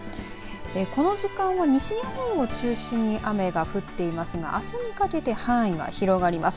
この時間は西日本を中心に雨が降っていますがあすにかけて範囲が広がります。